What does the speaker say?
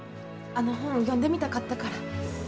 あの本読んでみたかったから。